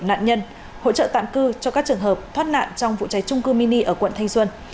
nạn nhân hỗ trợ tạm cư cho các trường hợp thoát nạn trong vụ cháy trung cư mini ở quận thanh xuân